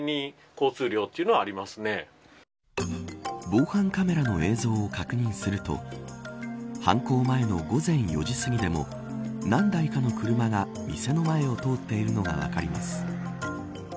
防犯カメラの映像を確認すると犯行前の午前４時すぎでも何台かの車が店の前を通っているのが分かります。